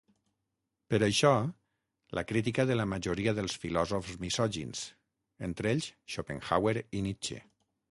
Per això, la crítica de la majoria dels filòsofs misògins, entre ells Schopenhauer i Nietzsche.